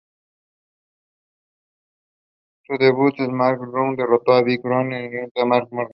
En su debut en SmackDown derrotó a Big Show con ayuda de Matt Morgan.